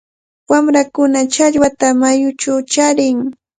Wamrakuna challwata mayuchaw charin.